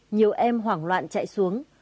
nhiều em hoảng loạn chạy xuống